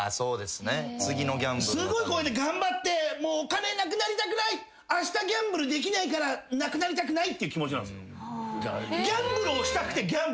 すごい頑張ってお金なくなりたくないあしたギャンブルできないからなくなりたくないって気持ちなんですよ。